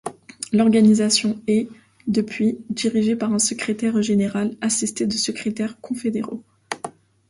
L'organisation est, depuis, dirigée par un secrétaire général assisté de secrétaires confédéraux.